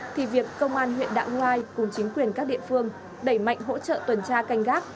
thì việc công an huyện đạ hoai cùng chính quyền các địa phương đẩy mạnh hỗ trợ tuần tra canh gác